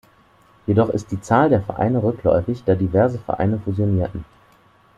Jedoch ist die Zahl der Vereine rückläufig, da diverse Vereine fusionierten.